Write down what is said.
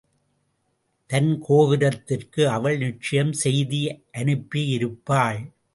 தன் கோபுரத்திற்கு அவள் நிச்சயம் செய்தி யனுப்பியிருப்பாள்.